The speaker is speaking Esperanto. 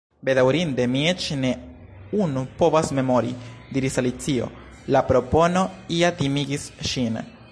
"Bedaŭrinde, mi eĉ ne unu povas memori," diris Alicio. La propono ja timigis ŝin.